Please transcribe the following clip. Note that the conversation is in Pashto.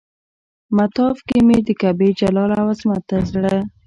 مطاف کې مې د کعبې جلال او عظمت ته زړه.